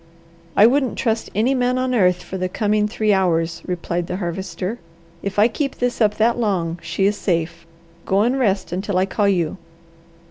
"I wouldn't trust any man on earth, for the coming three hours," replied the Harvester. "If I keep this up that long, she is safe. Go and rest until I call you."